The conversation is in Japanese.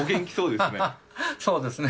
そうですね。